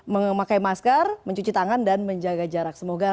memakai masker mencuci tangan dan menjaga jarak